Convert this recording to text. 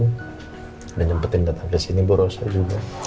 udah nyempetin datang ke sini bu rosa juga